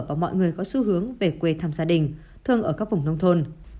và mọi người có xu hướng về quê thăm gia đình thường ở các vùng nông thôn